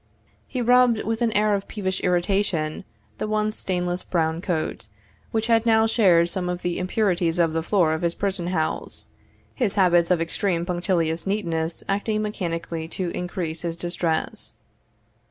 He rubbed, with an air of peevish irritation, the once stainless brown coat, which had now shared some of the impurities of the floor of his prison house, his habits of extreme punctilious neatness acting mechanically to increase his distress.